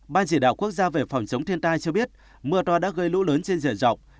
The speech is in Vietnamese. ban dị đạo quốc gia về phòng chống thiên tai cho biết mưa toa đã gây lũ lớn trên dây dọc